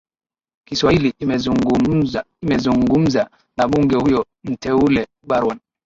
kiswahili imezungumza na bunge huyo mteule barwan